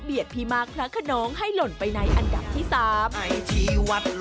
เบียดพิมาคพระขนองให้หล่นไปในอันดับที่สาม